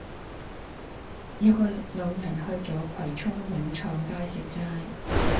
有個老人去左葵涌永創街食齋